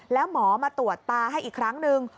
แล้วหมอมาตรวจตาให้อีกครั้งนึง